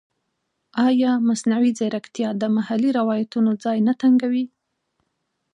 ایا مصنوعي ځیرکتیا د محلي روایتونو ځای نه تنګوي؟